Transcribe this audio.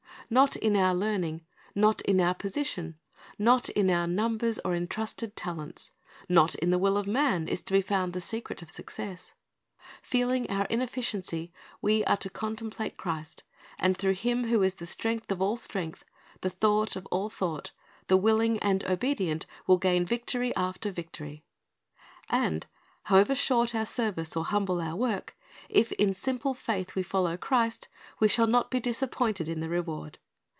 Not in our learning, not in our position, not ni our numbers or entrusted talents, not in the will of man, is to be found the secret of success. Feeling our inefficiency, we are to contemplate Christ, and through Him who is the strength of all strength, the thought of all thought, the willing and obedient will gain victory after victory. And however short our service or hurnble our work, if in simple faith we follow Christ, we shall not be disappointed of the reward.